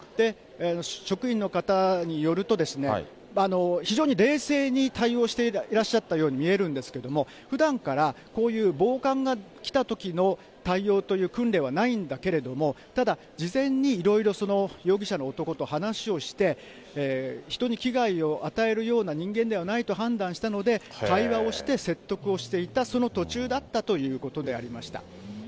職員の方によると、非常に冷静に対応していらっしゃったように見えるんですけど、ふだんからこういう暴漢が来たときの対応という訓練はないんだけれども、ただ、事前にいろいろ容疑者の男と話をして、人に危害を与えるような人間ではないと判断したので、会話をして説得をしていた、その途中だったということでありました。